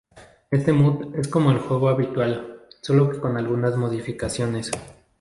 Este mod es como el juego habitual, solo que con algunas modificaciones.